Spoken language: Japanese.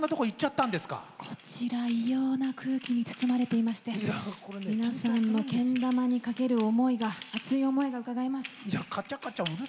こちら、異様な空気に包まれていまして皆さんのけん玉にかける熱い思いがうかがえます。